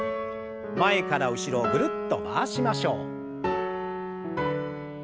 前から後ろぐるっと回しましょう。